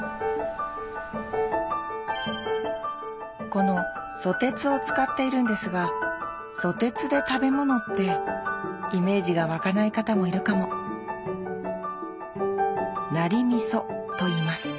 このソテツを使っているんですがソテツで食べ物ってイメージが湧かない方もいるかもナリ味噌といいます。